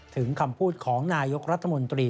ถึงคำพูดของนายกรัฐมนตรี